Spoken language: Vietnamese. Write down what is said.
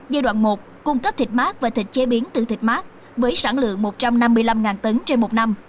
giai đoạn một cung cấp thịt mát và thịt chế biến từ thịt mát với sản lượng một trăm năm mươi năm tấn trên một năm